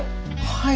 はい。